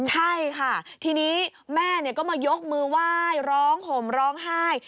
ใช่ค่ะทีนี้แม่ก็มายกมือไหว้ร้องห่มร้องไห้